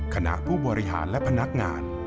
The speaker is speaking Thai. ขณะผู้บริหารและพนักงาน